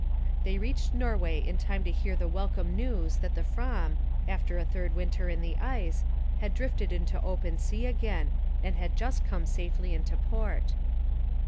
They reached Norway in time to hear the welcome news that the Fram, after a third winter in the ice, had drifted into open sea again and had just come safely into port.